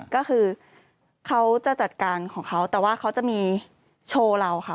ก็คือเขาจะจัดการของเขาแต่ว่าเขาจะมีโชว์เราค่ะ